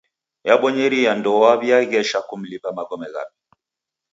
Yabonyeria seji ndowaw'iaghesha kumlipa magome ghape.